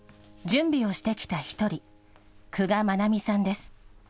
準備をしてきた１人、久我真奈美さんです。